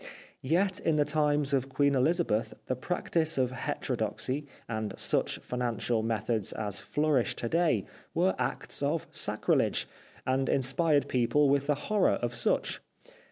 Yet in the times of Queen Elizabeth the practice of hetero doxy and such financial methods as flourish to day were acts of sacrilege, and inspired people with the horror of such.